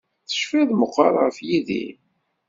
Tecfiḍ meqqar ɣef Yidir?